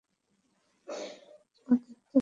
ও দেখতে ভালো কি মন্দ সে-তত্ত্বটা সম্পূর্ণ বাহুল্য ছিল।